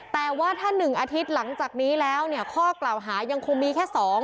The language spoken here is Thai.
แต่ว่าถ้า๑อาทิตย์หลังจากนี้แล้วเนี่ยข้อกล่าวหายังคงมีแค่๒